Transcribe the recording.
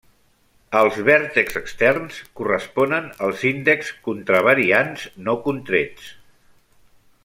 Els vèrtexs externs corresponen als índexs contravariants no contrets.